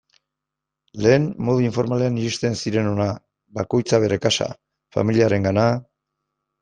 Lehen modu informalean iristen ziren hona, bakoitza bere kasa, familiarengana...